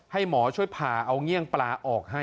ให้หมอช่วยผ่าเอาเงี่ยงปลาออกให้